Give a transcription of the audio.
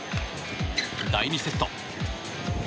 第２セット。